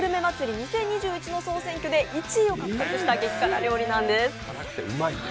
２０２１年の総選挙で１位を獲得したものなんです。